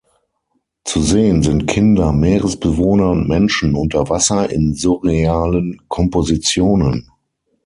Zu sehen sind Kinder, Meeresbewohner und Menschen unter Wasser in surrealen Kompositionen.